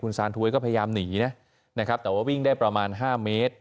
ซานทวยก็พยายามหนีนะนะครับแต่ว่าวิ่งได้ประมาณ๕เมตร